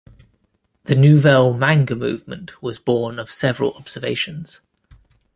The Nouvelle Manga movement was born of several observations.